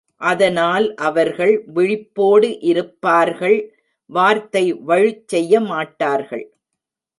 அதனால் அவர்கள் விழிப்போடு இருப்ப்ார்கள் வார்த்தை வழுச் செய்யமாட்டார்கள்.